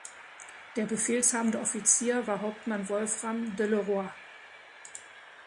Der befehlshabende Offizier war Hauptmann Wolfram de le Roi.